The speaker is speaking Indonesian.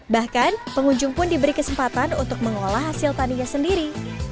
bahkan pengunjung pun diberi kesempatan untuk mengolah hasil taninya sendiri